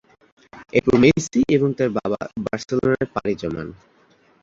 এরপর মেসি এবং তার বাবা বার্সেলোনায় পাড়ি জমান।